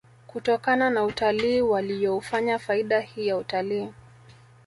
kutokana na utalii waliyoufanya faida hii ya utalii